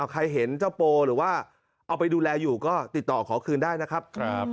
ใครเห็นเจ้าโปหรือว่าเอาไปดูแลอยู่ก็ติดต่อขอคืนได้นะครับ